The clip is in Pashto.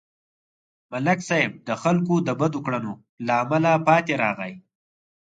ملک صاحب د خلکو د بدو کړنو له امله پاتې راغی.